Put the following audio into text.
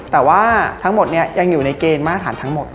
แต่ว่าทั้งหมดนี้ยังอยู่ในเกณฑ์มาตรฐานทั้งหมด